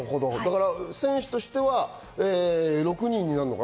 選手としては６人になるのかな？